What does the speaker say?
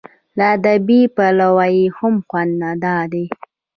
له ادبي پلوه یې هم خوند دا دی.